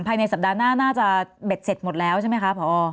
ภายในสัปดาห์หน้าน่าจะเบ็ดเสร็จหมดแล้วใช่ไหมคะพอ